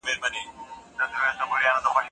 که استاد اجازه ورنه کړي شاګرد مقاله نسي سپارلی.